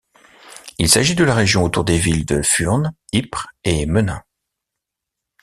Il s'agit de la région autour des villes de Furnes, Ypres et Menin.